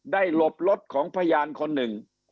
หลบรถของพยานคนหนึ่ง